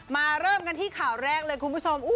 เริ่มกันที่ข่าวแรกเลยคุณผู้ชม